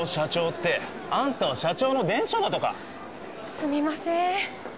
すみません。